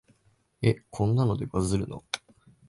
え、こんなのでバズるの？